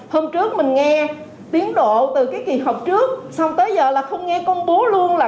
hôm trước mình nghe tiến độ từ cái kỳ họp trước xong tới giờ là không nghe công bố luôn là